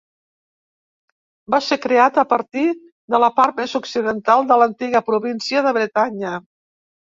Va ser creat a partir de la part més occidental de l'antiga província de Bretanya.